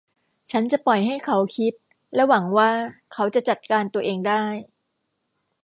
ฉันจะปล่อยให้เขาคิดและหวังว่าเขาจะจัดการตัวเองได้